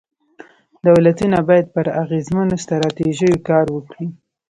دولتونه باید پر اغېزمنو ستراتیژیو کار وکړي.